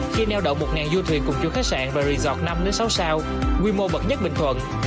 khi neo đậu một du thuyền cùng chú khách sạn và resort năm sáu sao quy mô bậc nhất bình thuận